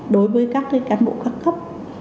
đối với các cán bộ khắc cấp